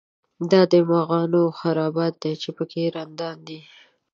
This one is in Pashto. دا د مغانو خرابات دی په کې رندان دي.